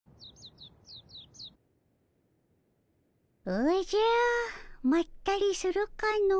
おじゃまったりするかの。